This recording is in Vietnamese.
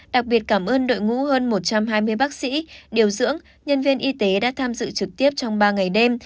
đặc biệt cảm ơn đội ngũ hơn một trăm hai mươi bác sĩ điều dưỡng nhân viên y tế đã tham dự trực tiếp trong ba ngày đêm